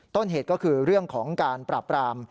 ต้นเหตุก็คือเรื่องของการปราบราม